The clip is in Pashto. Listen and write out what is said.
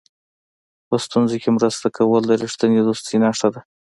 په ستونزو کې مرسته کول د رښتینې دوستۍ نښه ده.